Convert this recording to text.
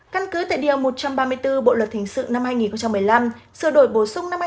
căn cứ tại điều một trăm ba mươi bốn bộ luật hình sự năm hai nghìn một mươi năm sửa đổi bổ sung năm hai nghìn một mươi bảy